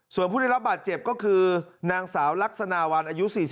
ส่วนผู้ได้รับบาดเจ็บก็คือนางสาวลักษณะวันอายุ๔๒